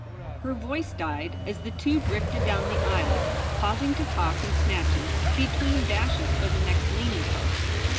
Her voice died as the two drifted down the aisle, pausing to talk in snatches, between dashes for the next leaning post.